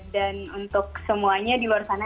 dan untuk semuanya di luar sana